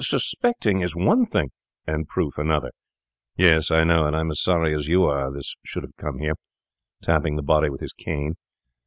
'Suspecting is one thing—' 'And proof another. Yes, I know; and I'm as sorry as you are this should have come here,' tapping the body with his cane.